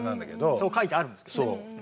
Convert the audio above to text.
そう書いてあるんですけどね。